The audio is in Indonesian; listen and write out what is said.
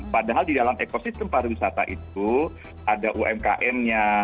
padahal di dalam ekosistem pariwisata itu ada umkm nya